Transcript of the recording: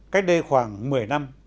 cách đây khoảng một mươi năm